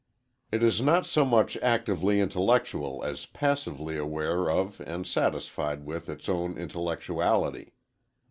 It is not so much actively intellectual as passively aware of and satisfied with its own intellectuality.